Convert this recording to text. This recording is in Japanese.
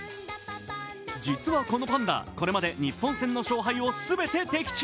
実はこのパンダ、これまで日本戦の勝敗を全て的中。